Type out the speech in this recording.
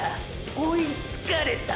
追いつかれた⁉